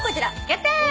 やったー！